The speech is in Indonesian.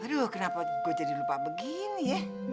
aduh kenapa gue jadi lupa begini ya